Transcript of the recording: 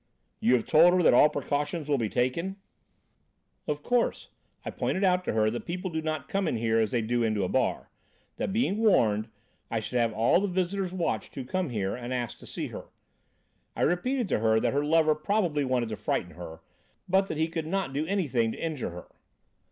"You have told her that all precautions will be taken?" "Of course. I pointed out to her that people do not come in here as they do into a bar; that being warned, I should have all the visitors watched who come here and asked to see her. I repeated to her that her lover probably wanted to frighten her, but that he could not do anything to injure her.